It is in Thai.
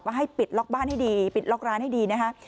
ให้ปิดล็อกบ้านให้ดีปิดล็อกร้านให้ดีนะคะ